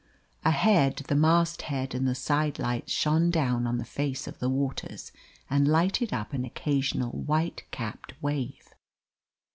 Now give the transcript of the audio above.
Ahead the mast head and the side lights shone down on the face of the waters and lighted up an occasional white capped wave.